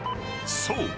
［そう。